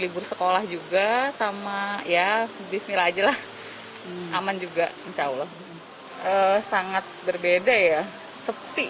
libur sekolah juga sama ya bismillah ajalah aman juga insya allah sangat berbeda ya sepi